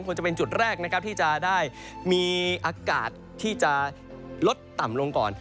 จะเป็นจุดแรกนะครับที่จะได้มีอากาศที่จะลดต่ำลงก่อน